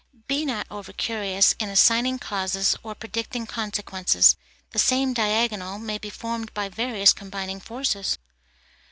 Be not over curious in assigning causes or predicting consequences; the same diagonal may be formed by various combining forces.